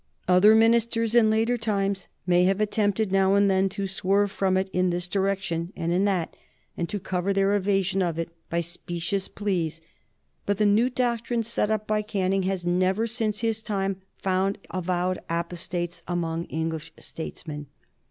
Other ministers in later times may have attempted, now and then, to swerve from it in this direction and in that, and to cover their evasion of it by specious pleas, but the new doctrine set up by Canning has never since his time found avowed apostates among English statesmen.